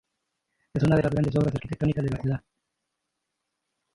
Es una de las grandes obras arquitectónicas de la ciudad.